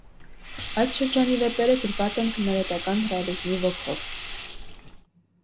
Այդ շրջանի վեպերը գրված են քննադատական ռեալիզմի ոգով։